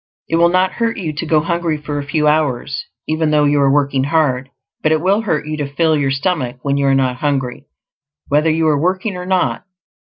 It will not hurt you to go hungry for a few hours, even though you are working hard; but it will hurt you to fill your stomach when you are not hungry, whether you are working or not.